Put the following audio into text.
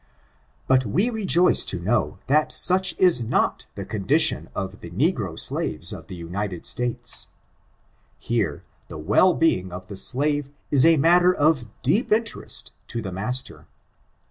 But we rejoice to know that such is not the con dition of the negro slaves of the United States. Here the well being of the slave is a matter of deep interest to the master.